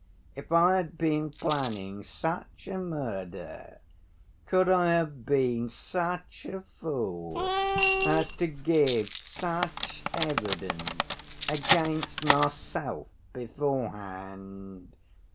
If I had been planning such a murder could I have been such a fool as to give such evidence against myself beforehand?